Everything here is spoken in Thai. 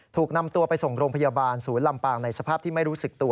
ถูกนำตัวไปส่งโรงพยาบาลศูนย์ลำปางในสภาพที่ไม่รู้สึกตัว